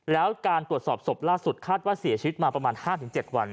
แล้วการตรวจสอบศพล่าสุดคาดว่าเสียชีวิตมาประมาณ๕๗วัน